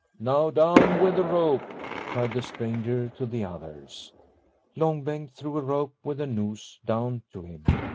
" Now down with the rope !" cried the stranger to the others. Long Bengt threw a rope with a noose down to him.